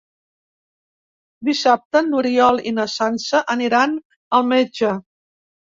Dissabte n'Oriol i na Sança aniran al metge.